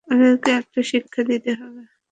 ওদেরকে একটা শিক্ষা দিতে হবে।